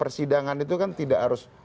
persidangan itu kan tidak harus